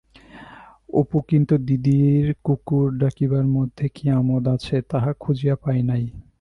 অপু কিন্তু দিদির কুকুর ডাকিবার মধ্যে কি আমোদ আছে তাহা খুঁজিয়া পায় না।